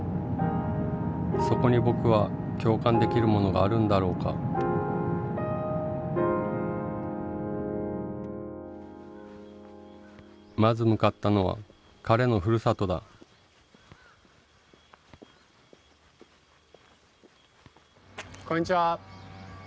そこに僕は共感できるものがあるんだろうかまず向かったのは彼のふるさとだこんにちは。